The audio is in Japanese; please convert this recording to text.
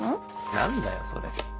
何だよそれ。